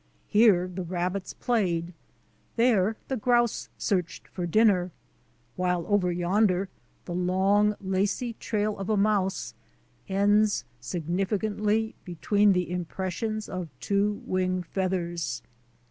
Here the rabbits played; there the grouse searched for dinner; while over yonder the long, lacy trail of a mouse ends significantly between the impressions of two wing feathers.